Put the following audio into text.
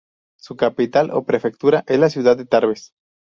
Su capital o prefectura es la ciudad de Tarbes.